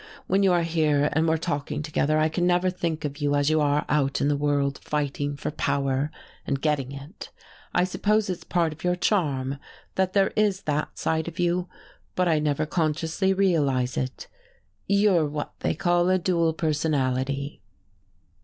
When you are here and we're talking together I can never think of you as you are out in the world, fighting for power and getting it. I suppose it's part of your charm, that there is that side of you, but I never consciously realize it. You're what they call a dual personality."